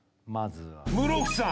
室伏さん！